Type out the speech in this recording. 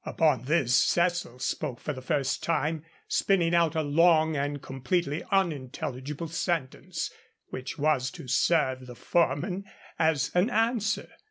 Upon this Cecil spoke for the first time, spinning out a long and completely unintelligible sentence which was to serve the foreman as an answer.